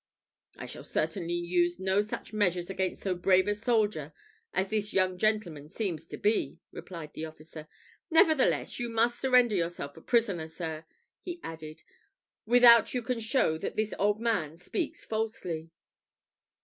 "I shall certainly use no such measures against so brave a soldier as this young gentleman seems to be," replied the officer. "Nevertheless, you must surrender yourself a prisoner, sir," he added, "without you can show that this old man speaks falsely."